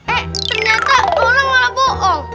eh ternyata lu orang malah bohong